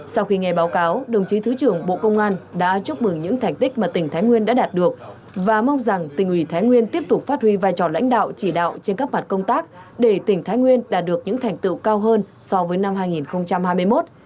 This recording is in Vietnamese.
sau khi nghe báo cáo đồng chí thứ trưởng bộ công an đã chúc mừng những thành tích mà tỉnh thái nguyên đã đạt được và mong rằng tỉnh ủy thái nguyên tiếp tục phát huy vai trò lãnh đạo chỉ đạo trên các mặt công tác để tỉnh thái nguyên đạt được những thành tựu cao hơn so với năm hai nghìn hai mươi một